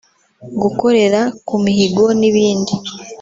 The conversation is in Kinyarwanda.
gukorera ku mihigo n’ibindi